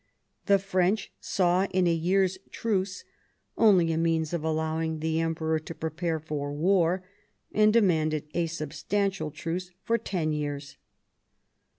The French saw in a year's truce only a means of allowing the Em peror to prepare for war, and demanded a substantial truce for ten years.